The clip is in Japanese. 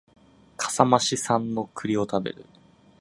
笠間市産の栗を食べる